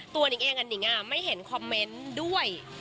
ตัวนี้แหงกันอีกไม่เห็นคอมเมนต์ด้วย